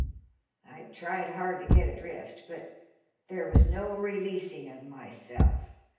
I tried hard to get adrift, but there was no releasing of myself.